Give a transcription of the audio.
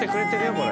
これ。